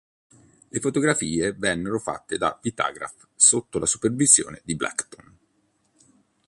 Le fotografie vennero fatte alla Vitagraph sotto la supervisione di Blackton.